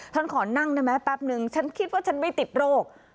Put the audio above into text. ขอนั่งได้ไหมแป๊บนึงฉันคิดว่าฉันไม่ติดโรค